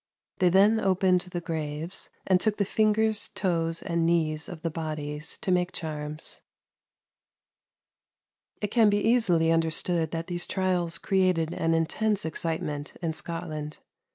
They then opened the graves and took the fingers, toes, and knees of the bodies to make charms. [Footnote 1: Pitcairn, I. ii. 217.] It can be easily understood that these trials created an intense excitement in Scotland.